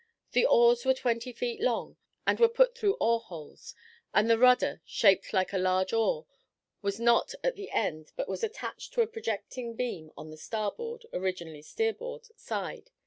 The oars were twenty feet long, and were put through oar holes, and the rudder, shaped like a large oar, was not at the end, but was attached to a projecting beam on the starboard (originally steer board) side.